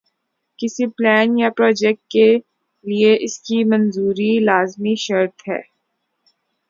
کسی پلان یا پراجیکٹ کے لئے اس کی منظوری لازمی شرط ہے۔